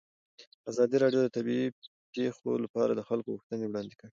ازادي راډیو د طبیعي پېښې لپاره د خلکو غوښتنې وړاندې کړي.